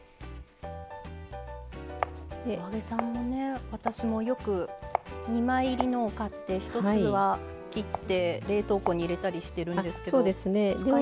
お揚げさんも私もよく２枚入りのを買って一つは切って冷凍庫に入れたりしているんですけど。